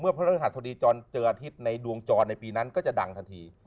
เมื่อพระราชธรรมดีเจออาทิตย์ในดวงจรในปีนั้นก็จะดังทันที